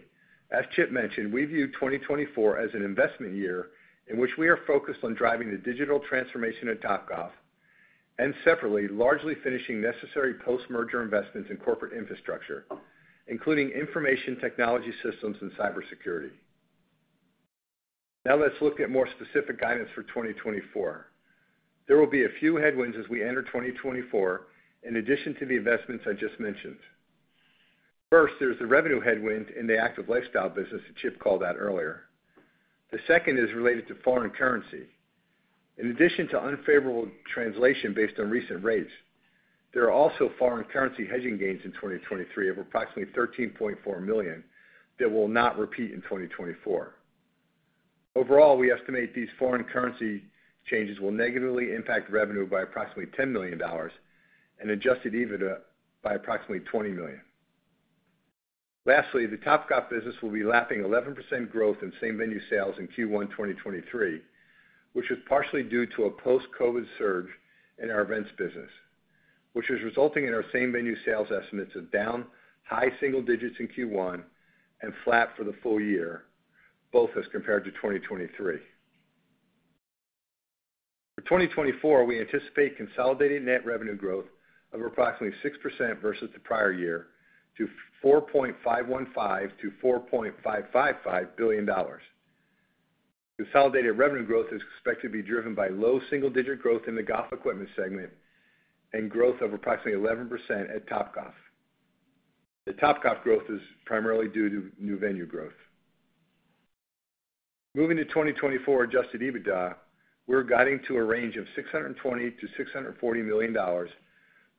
as Chip mentioned, we view 2024 as an investment year in which we are focused on driving the digital transformation at Topgolf, and separately, largely finishing necessary post-merger investments in corporate infrastructure, including information technology systems and cybersecurity. Now let's look at more specific guidance for 2024. There will be a few headwinds as we enter 2024, in addition to the investments I just mentioned. First, there's the revenue headwind in the active lifestyle business that Chip called out earlier. The second is related to foreign currency. In addition to unfavorable translation based on recent rates, there are also foreign currency hedging gains in 2023 of approximately $13.4 million that will not repeat in 2024. Overall, we estimate these foreign currency changes will negatively impact revenue by approximately $10 million and Adjusted EBITDA by approximately $20 million. Lastly, the Topgolf business will be lapping 11% growth in same-venue sales in Q1 2023, which is partially due to a post-COVID surge in our events business, which is resulting in our same-venue sales estimates of down high single digits in Q1 and flat for the full year, both as compared to 2023. For 2024, we anticipate consolidated net revenue growth of approximately 6% versus the prior year to $4.515 billion-$4.555 billion. Consolidated revenue growth is expected to be driven by low single-digit growth in the golf equipment segment and growth of approximately 11% at Topgolf. The Topgolf growth is primarily due to new venue growth. Moving to 2024 Adjusted EBITDA, we're guiding to a range of $620 million-$640 million,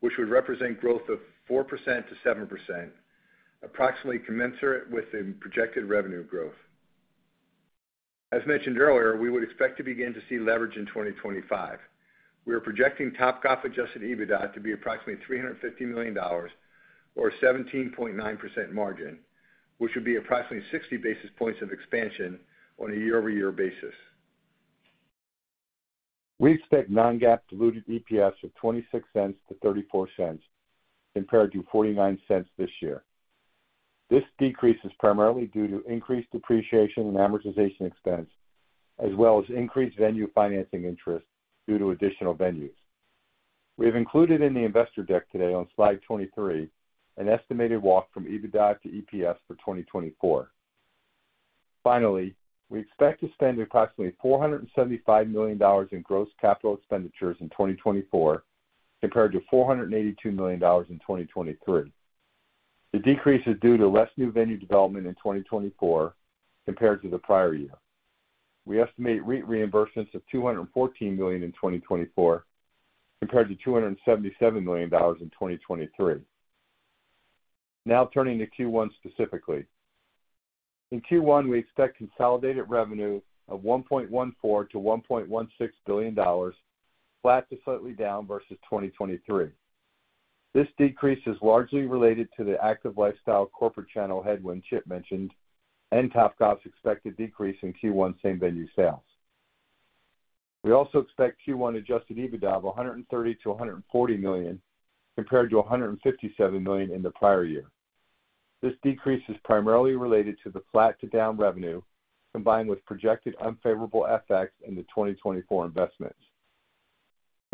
which would represent growth of 4%-7%, approximately commensurate with the projected revenue growth. As mentioned earlier, we would expect to begin to see leverage in 2025. We are projecting Topgolf Adjusted EBITDA to be approximately $350 million, or 17.9% margin, which would be approximately 60 basis points of expansion on a year-over-year basis. We expect non-GAAP diluted EPS of $0.26-$0.34, compared to $0.49 this year. This decrease is primarily due to increased depreciation and amortization expense, as well as increased venue financing interest due to additional venues. We have included in the investor deck today on slide 23, an estimated walk from EBITDA to EPS for 2024. Finally, we expect to spend approximately $475 million in gross capital expenditures in 2024, compared to $482 million in 2023. The decrease is due to less new venue development in 2024 compared to the prior year. We estimate REIT reimbursements of $214 million in 2024, compared to $277 million in 2023. Now turning to Q1 specifically. In Q1, we expect consolidated revenue of $1.14-$1.16 billion, flat to slightly down versus 2023. This decrease is largely related to the active lifestyle corporate channel headwind Chip mentioned, and Topgolf's expected decrease in Q1 same-venue sales. We also expect Q1 adjusted EBITDA of $130-$140 million, compared to $157 million in the prior year. This decrease is primarily related to the flat to down revenue, combined with projected unfavorable FX in the 2024 investments.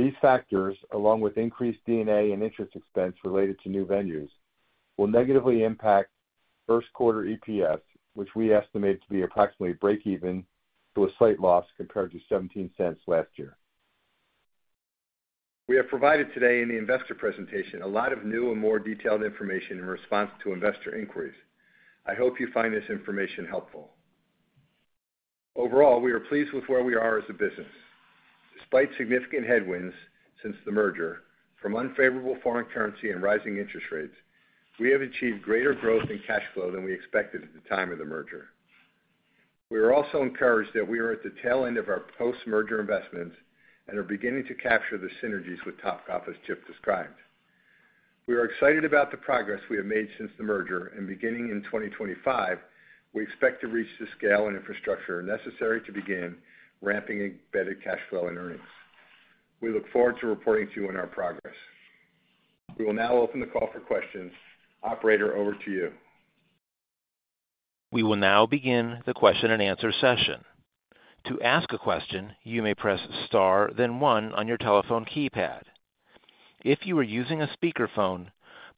These factors, along with increased D&A and interest expense related to new venues, will negatively impact first quarter EPS, which we estimate to be approximately break even to a slight loss compared to $0.17 last year. We have provided today in the investor presentation, a lot of new and more detailed information in response to investor inquiries. I hope you find this information helpful. Overall, we are pleased with where we are as a business. Despite significant headwinds since the merger from unfavorable foreign currency and rising interest rates, we have achieved greater growth in cash flow than we expected at the time of the merger. We are also encouraged that we are at the tail end of our post-merger investments and are beginning to capture the synergies with Topgolf, as Chip described. We are excited about the progress we have made since the merger, and beginning in 2025, we expect to reach the scale and infrastructure necessary to begin ramping embedded cash flow and earnings. We look forward to reporting to you on our progress. We will now open the call for questions. Operator, over to you. We will now begin the question-and-answer session. To ask a question, you may press star, then one on your telephone keypad. If you are using a speakerphone,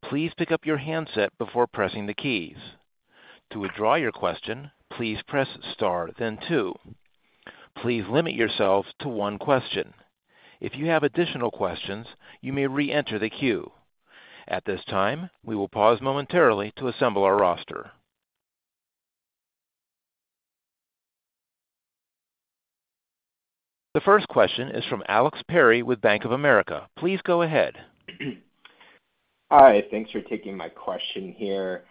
please pick up your handset before pressing the keys. To withdraw your question, please press star then two. Please limit yourselves to one question. If you have additional questions, you may reenter the queue. At this time, we will pause momentarily to assemble our roster. The first question is from Alex Perry with Bank of America. Please go ahead. Hi, thanks for taking my question here.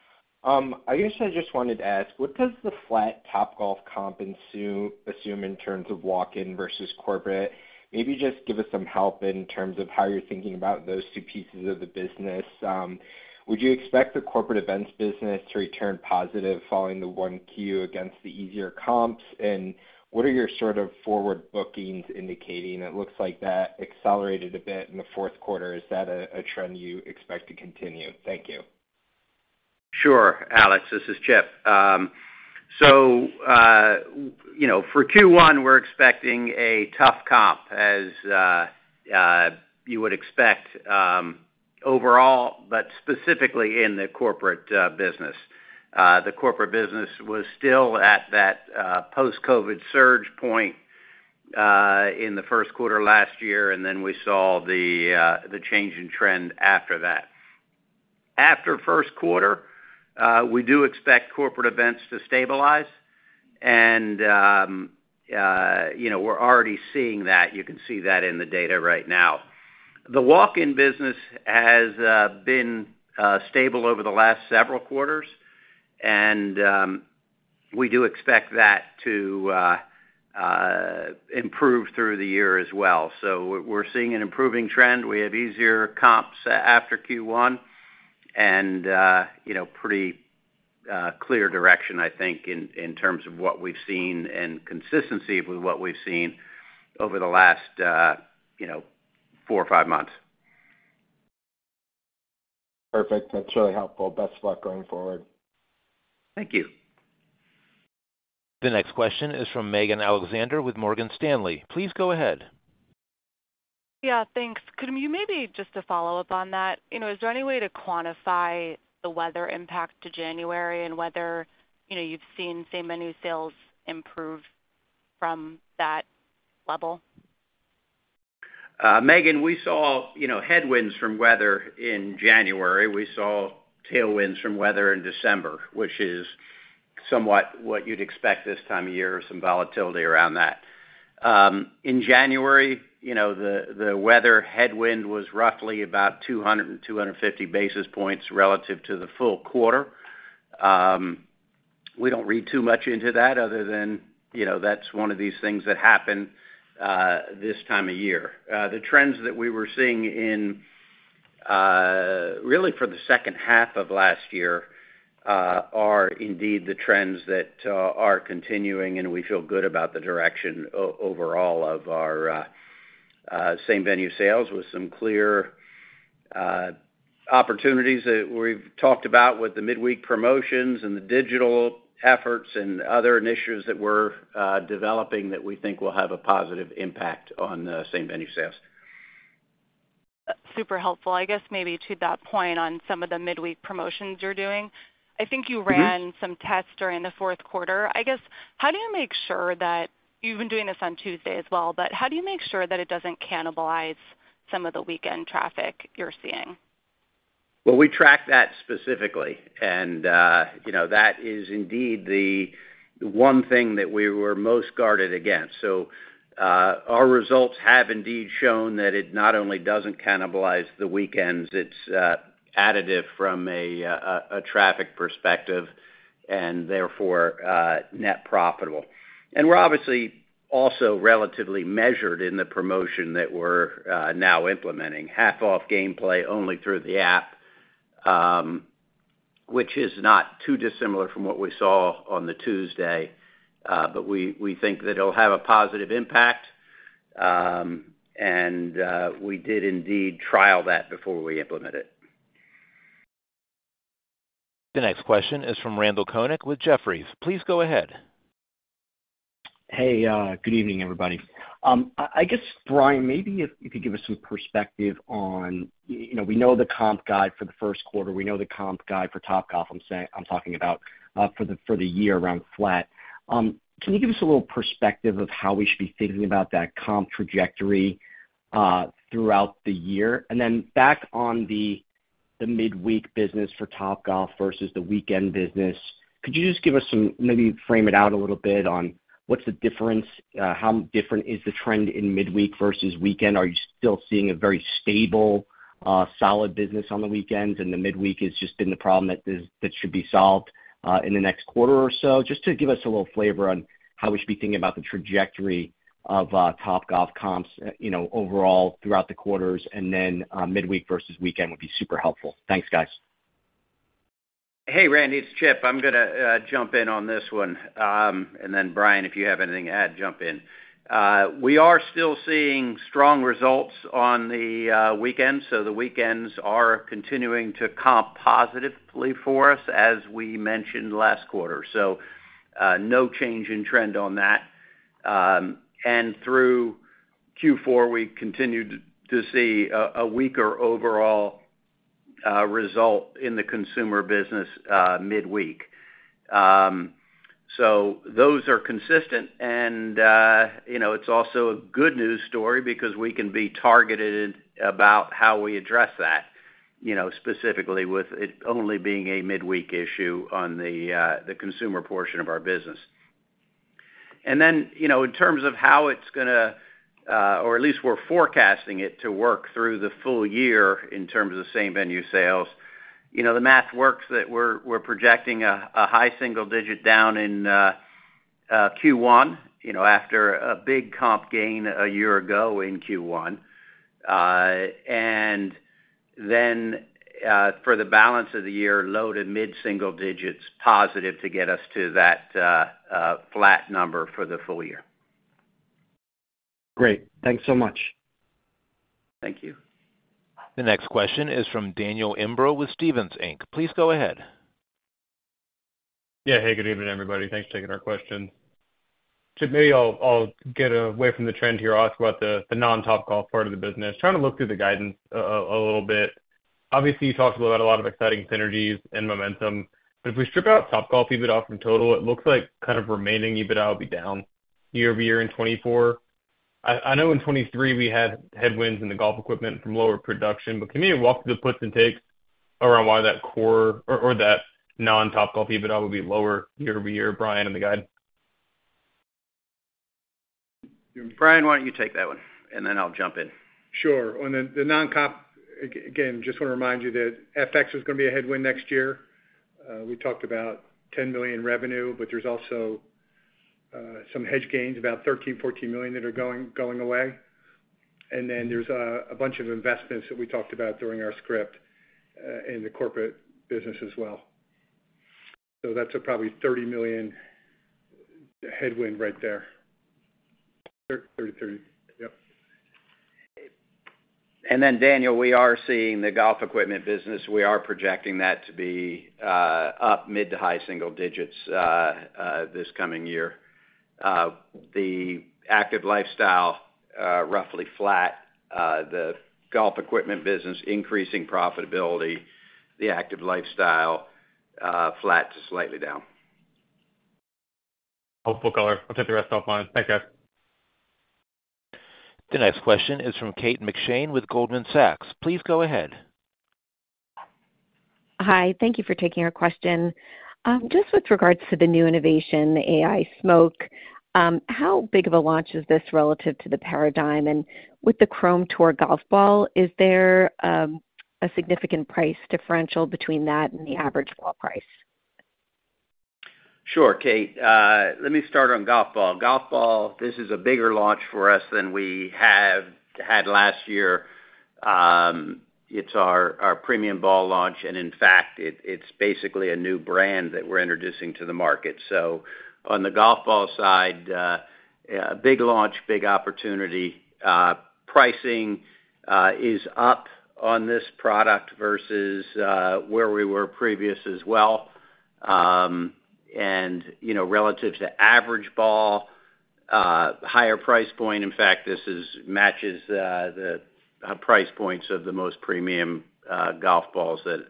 I guess I just wanted to ask, what does the flat Topgolf comp assume in terms of walk-in versus corporate? Maybe just give us some help in terms of how you're thinking about those two pieces of the business. Would you expect the corporate events business to return positive following the 1Q against the easier comps? And what are your sort of forward bookings indicating? It looks like that accelerated a bit in the fourth quarter. Is that a trend you expect to continue? Thank you. Sure, Alex. This is Chip. So, you know, for Q1, we're expecting a tough comp, as you would expect, overall, but specifically in the corporate business. The corporate business was still at that post-COVID surge point, in the first quarter last year, and then we saw the change in trend after that. After first quarter, we do expect corporate events to stabilize, and, you know, we're already seeing that. You can see that in the data right now. The walk-in business has been stable over the last several quarters, and, we do expect that to improve through the year as well. So we're seeing an improving trend. We have easier comps after Q1, and, you know, pretty clear direction, I think, in terms of what we've seen and consistency with what we've seen over the last, you know, four or five months. Perfect. That's really helpful. Best luck going forward. Thank you. The next question is from Megan Alexander with Morgan Stanley. Please go ahead. Yeah, thanks. Could you maybe just to follow up on that, you know, is there any way to quantify the weather impact to January and whether, you know, you've seen same-venue sales improve from that level? Megan, we saw, you know, headwinds from weather in January. We saw tailwinds from weather in December, which is somewhat what you'd expect this time of year, some volatility around that. In January, you know, the weather headwind was roughly about 200-250 basis points relative to the full quarter. We don't read too much into that other than, you know, that's one of these things that happen this time of year. The trends that we were seeing in, really for the second half of last year, are indeed the trends that are continuing, and we feel good about the direction overall of our same-venue sales, with some clear opportunities that we've talked about with the midweek promotions and the digital efforts and other initiatives that we're developing that we think will have a positive impact on the same-venue sales. Super helpful. I guess maybe to that point on some of the midweek promotions you're doing, I think you ran- Mm-hmm Some tests during the fourth quarter. I guess, how do you make sure that, you've been doing this on Tuesday as well, but how do you make sure that it doesn't cannibalize some of the weekend traffic you're seeing? Well, we track that specifically, and, you know, that is indeed the one thing that we were most guarded against. So, our results have indeed shown that it not only doesn't cannibalize the weekends, it's additive from a traffic perspective and therefore net profitable. And we're obviously also relatively measured in the promotion that we're now implementing, half off gameplay only through the app, which is not too dissimilar from what we saw on the Tuesday. But we think that it'll have a positive impact. And we did indeed trial that before we implement it. The next question is from Randal Konik with Jefferies. Please go ahead. Hey, good evening, everybody. I guess, Brian, maybe if you could give us some perspective on, you know, we know the comp guide for the first quarter. We know the comp guide for Topgolf. I'm talking about, for the year, around flat. Can you give us a little perspective of how we should be thinking about that comp trajectory throughout the year? And then back on the midweek business for Topgolf versus the weekend business, could you just give us some, maybe frame it out a little bit on what's the difference, how different is the trend in midweek versus weekend? Are you still seeing a very stable, solid business on the weekends, and the midweek has just been the problem that is, that should be solved in the next quarter or so? Just to give us a little flavor on how we should be thinking about the trajectory of Topgolf comps, you know, overall throughout the quarters, and then midweek versus weekend would be super helpful. Thanks, guys. Hey, Randy, it's Chip. I'm going to jump in on this one. And then Brian, if you have anything to add, jump in. We are still seeing strong results on the weekends, so the weekends are continuing to comp positively for us, as we mentioned last quarter. So, no change in trend on that. And through Q4, we continued to see a weaker overall result in the consumer business midweek. So those are consistent, and you know, it's also a good news story because we can be targeted about how we address that, you know, specifically with it only being a midweek issue on the consumer portion of our business. And then, you know, in terms of how it's gonna, or at least we're forecasting it to work through the full year in terms of the Same-Venue Sales, you know, the math works that we're projecting a high single digit down in Q1, you know, after a big comp gain a year ago in Q1. And then, for the balance of the year, low to mid single digits, positive to get us to that flat number for the full year. Great. Thanks so much. Thank you. The next question is from Daniel Imbro with Stephens Inc Please go ahead. Yeah. Hey, good evening, everybody. Thanks for taking our question. So maybe I'll get away from the trend here, ask about the non-Topgolf part of the business. Trying to look through the guidance a little bit. Obviously, you talked about a lot of exciting synergies and momentum, but if we strip out Topgolf EBITDA from total, it looks like kind of remaining EBITDA will be down year-over-year in 2024. I know in 2023, we had headwinds in the golf equipment from lower production, but can you walk through the puts and takes around why that core or that non-Topgolf EBITDA will be lower year-over-year, Brian, in the guide? Brian, why don't you take that one, and then I'll jump in. Sure. On the non-GAAP again, just want to remind you that FX is going to be a headwind next year. We talked about $10 million revenue, but there's also some hedge gains, about $13-$14 million that are going, going away. And then there's a bunch of investments that we talked about during our script in the corporate business as well. So that's probably a $30 million headwind right there. 30, 30. Yep. And then, Daniel, we are seeing the golf equipment business. We are projecting that to be up mid- to high-single digits this coming year. The active lifestyle, roughly flat, the golf equipment business, increasing profitability, the active lifestyle, flat to slightly down. Helpful color. I'll take the rest off line. Thanks, guys. The next question is from Kate McShane with Goldman Sachs. Please go ahead.... Hi, thank you for taking our question. Just with regards to the new innovation, the Ai Smoke, how big of a launch is this relative to the Paradym? And with the Chrome Tour golf ball, is there a significant price differential between that and the average ball price? Sure, Kate. Let me start on golf ball. Golf ball, this is a bigger launch for us than we have had last year. It's our, our premium ball launch, and in fact, it, it's basically a new brand that we're introducing to the market. So on the golf ball side, yeah, a big launch, big opportunity. Pricing is up on this product versus where we were previous as well. And, you know, relative to average ball, higher price point. In fact, this matches the price points of the most premium golf balls that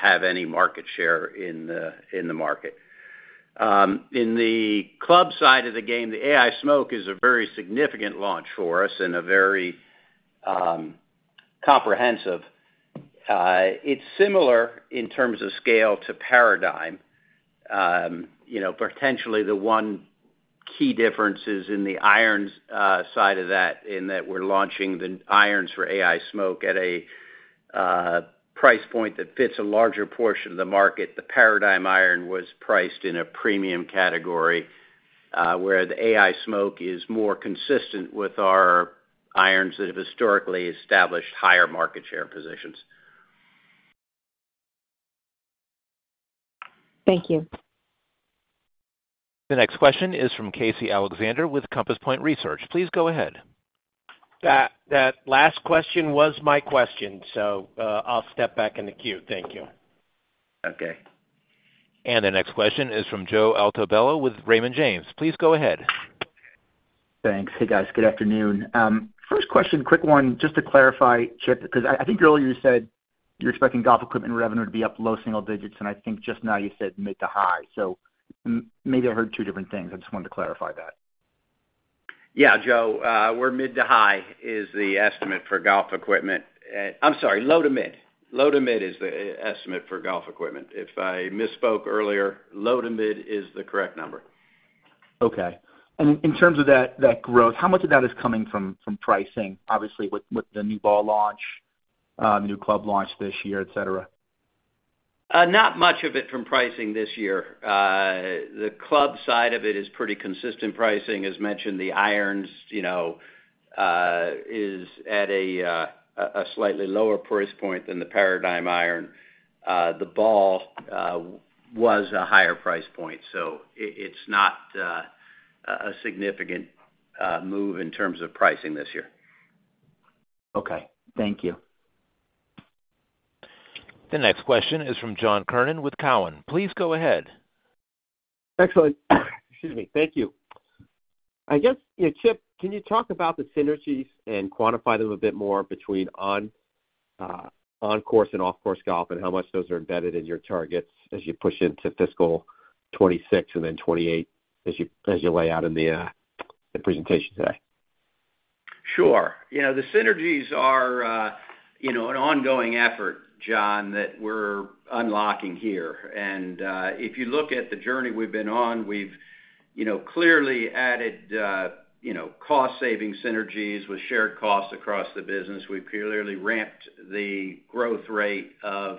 have any market share in the market. In the club side of the game, the Ai Smoke is a very significant launch for us and a very comprehensive. It's similar in terms of scale to Paradym. You know, potentially, the one key difference is in the irons side of that, in that we're launching the irons for Ai Smoke at a price point that fits a larger portion of the market. The Paradym iron was priced in a premium category, where the Ai Smoke is more consistent with our irons that have historically established higher market share positions. Thank you. The next question is from Casey Alexander with Compass Point Research. Please go ahead. That, that last question was my question, so, I'll step back in the queue. Thank you. Okay. The next question is from Joe Altobello with Raymond James. Please go ahead. Thanks. Hey, guys, good afternoon. First question, quick one, just to clarify, Chip, because I think earlier you said you're expecting golf equipment revenue to be up low single digits, and I think just now you said mid to high. So maybe I heard two different things. I just wanted to clarify that. Yeah, Joe, we're mid to high is the estimate for golf equipment. I'm sorry, low to mid. Low to mid is the estimate for golf equipment. If I misspoke earlier, low to mid is the correct number. Okay. And in terms of that growth, how much of that is coming from pricing, obviously, with the new ball launch, new club launch this year, et cetera? Not much of it from pricing this year. The club side of it is pretty consistent pricing. As mentioned, the irons, you know, is at a slightly lower price point than the Paradym iron. The ball was a higher price point, so it, it's not a significant move in terms of pricing this year. Okay. Thank you. The next question is from John Kernan with Cowen. Please go ahead. Excellent. Excuse me. Thank you. I guess, yeah, Chip, can you talk about the synergies and quantify them a bit more between on-course and off-course golf, and how much those are embedded in your targets as you push into fiscal 2026 and then 2028, as you lay out in the presentation today? Sure. You know, the synergies are, you know, an ongoing effort, John, that we're unlocking here. And, if you look at the journey we've been on, we've, you know, clearly added, you know, cost saving synergies with shared costs across the business. We've clearly ramped the growth rate of,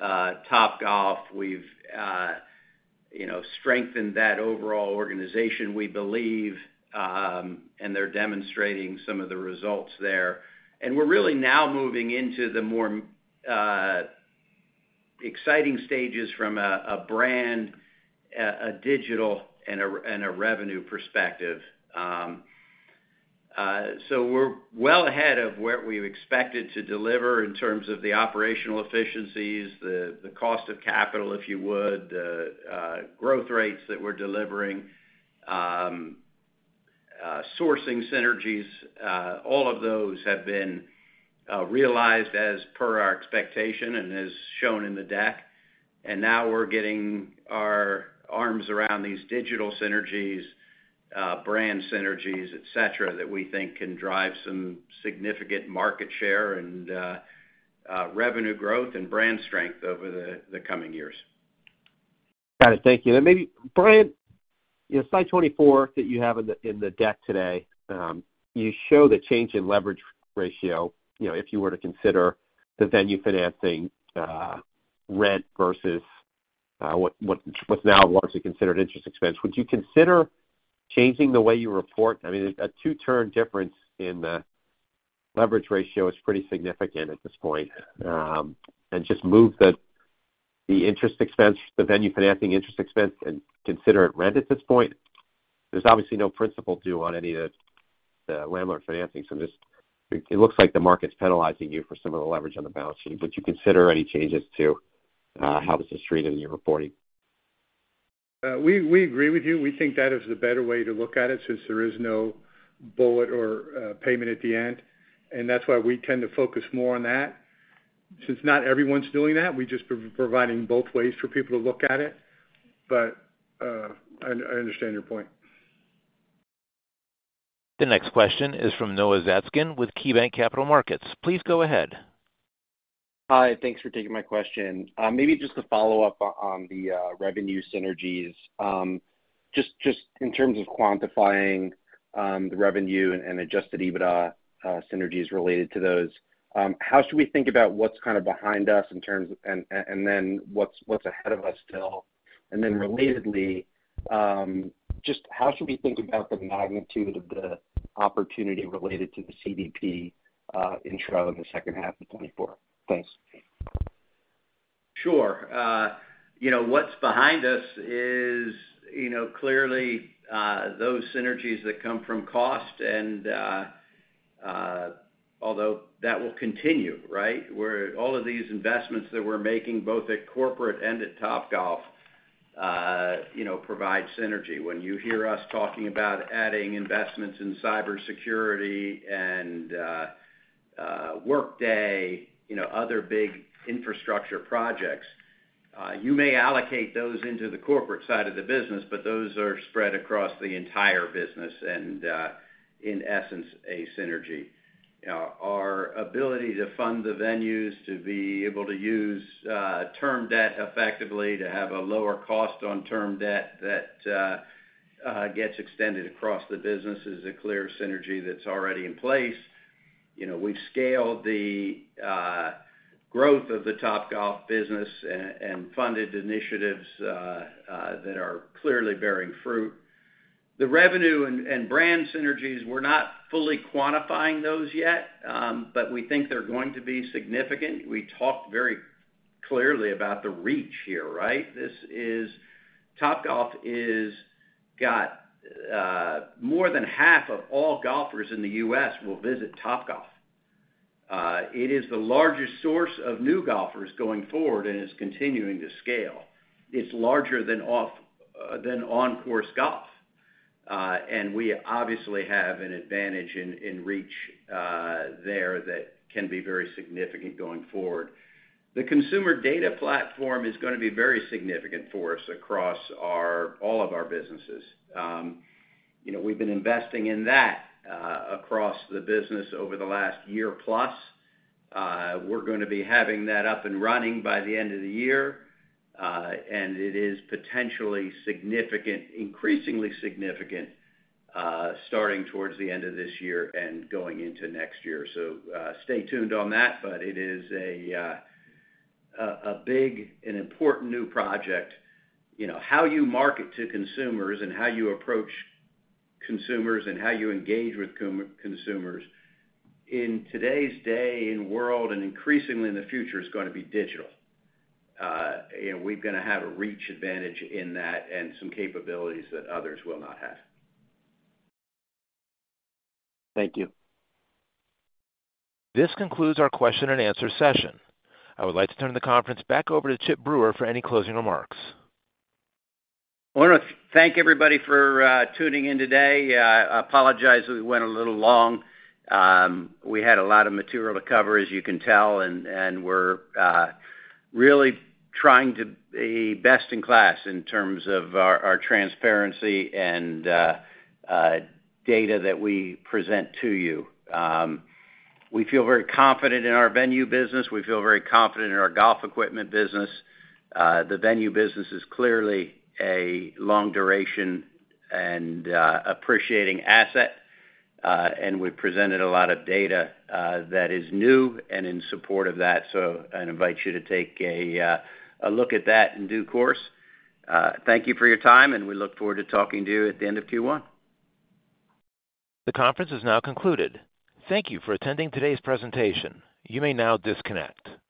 Topgolf. We've, you know, strengthened that overall organization, we believe, and they're demonstrating some of the results there. And we're really now moving into the more, exciting stages from a brand, a digital, and a revenue perspective. So we're well ahead of what we've expected to deliver in terms of the operational efficiencies, the cost of capital, if you would, the growth rates that we're delivering, sourcing synergies. All of those have been realized as per our expectation and as shown in the deck. And now we're getting our arms around these digital synergies, brand synergies, et cetera, that we think can drive some significant market share and revenue growth and brand strength over the coming years. Got it. Thank you. And maybe, Brian, you know, slide 24 that you have in the, in the deck today, you show the change in leverage ratio, you know, if you were to consider the venue financing, rent versus, what, what's now largely considered interest expense. Would you consider changing the way you report? I mean, a 2-turn difference in the leverage ratio is pretty significant at this point. And just move the interest expense, the venue financing interest expense, and consider it rent at this point. There's obviously no principal due on any of the landlord financing, so this—it looks like the market's penalizing you for some of the leverage on the balance sheet. Would you consider any changes to how this is treated in your reporting? We agree with you. We think that is the better way to look at it, since there is no bullet or payment at the end, and that's why we tend to focus more on that. Since not everyone's doing that, we're just providing both ways for people to look at it, but I understand your point. The next question is from Noah Zatzkin with KeyBanc Capital Markets. Please go ahead. Hi. Thanks for taking my question. Maybe just to follow up on the revenue synergies. Just in terms of quantifying the revenue and Adjusted EBITDA synergies related to those, how should we think about what's kind of behind us in terms and then what's ahead of us still? And then relatedly, just how should we think about the magnitude of the opportunity related to the CDP intro in the second half of 2024? Thanks. Sure. You know, what's behind us is, you know, clearly, those synergies that come from cost and... Although that will continue, right? Where all of these investments that we're making, both at corporate and at Topgolf, you know, provide synergy. When you hear us talking about adding investments in cybersecurity and, Workday, you know, other big infrastructure projects, you may allocate those into the corporate side of the business, but those are spread across the entire business and, in essence, a synergy. Our ability to fund the venues, to be able to use, term debt effectively, to have a lower cost on term debt that, gets extended across the business is a clear synergy that's already in place. You know, we've scaled the growth of the Topgolf business and funded initiatives that are clearly bearing fruit. The revenue and brand synergies, we're not fully quantifying those yet, but we think they're going to be significant. We talked very clearly about the reach here, right? This is... Topgolf is got more than half of all golfers in the U.S. will visit Topgolf. It is the largest source of new golfers going forward, and it's continuing to scale. It's larger than off than on course golf. And we obviously have an advantage in reach there that can be very significant going forward. The Consumer Data Platform is gonna be very significant for us across all of our businesses. You know, we've been investing in that across the business over the last year plus. We're gonna be having that up and running by the end of the year, and it is potentially significant, increasingly significant, starting towards the end of this year and going into next year. So, stay tuned on that, but it is a big and important new project. You know, how you market to consumers, and how you approach consumers, and how you engage with consumers in today's day in world, and increasingly in the future, is gonna be digital. And we're gonna have a reach advantage in that and some capabilities that others will not have. Thank you. This concludes our question and answer session. I would like to turn the conference back over to Chip Brewer for any closing remarks. I wanna thank everybody for tuning in today. I apologize that we went a little long. We had a lot of material to cover, as you can tell, and we're really trying to be best in class in terms of our transparency and data that we present to you. We feel very confident in our venue business. We feel very confident in our golf equipment business. The venue business is clearly a long duration and appreciating asset, and we've presented a lot of data that is new and in support of that. So I invite you to take a look at that in due course. Thank you for your time, and we look forward to talking to you at the end of Q1. The conference is now concluded. Thank you for attending today's presentation. You may now disconnect.